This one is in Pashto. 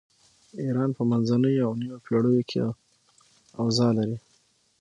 ایران په منځنیو او نویو پیړیو کې اوضاع لري.